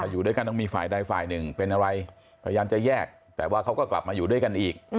อยู่ด้วยกันต้องมีฝ่ายใดฝ่ายหนึ่งเป็นอะไรพยายามจะแยกแต่ว่าเขาก็กลับมาอยู่ด้วยกันอีก